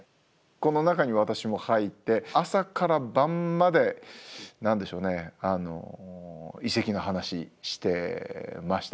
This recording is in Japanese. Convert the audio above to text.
この中に私も入って朝から晩まで何でしょうね遺跡の話してました。